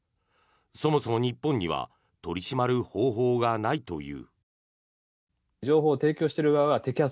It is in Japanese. そもそも日本には取り締まる方法がないという。